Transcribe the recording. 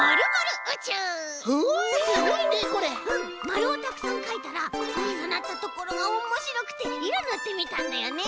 まるをたくさんかいたらかさなったところがおもしろくていろぬってみたんだよね！